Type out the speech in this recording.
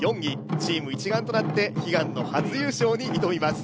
チーム一丸となって悲願の初優勝に挑みます。